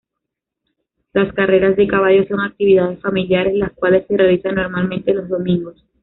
Las carreras de caballos son actividades familiares, las cuales se realizan normalmente los domingos.